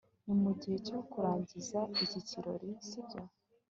ni mugihe cyo kurangiza iki kirori, sibyo